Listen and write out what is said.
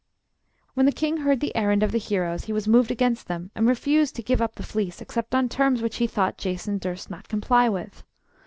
When the king heard the errand of the heroes he was moved against them, and refused to give up the fleece except on terms which he thought Jason durst not comply with.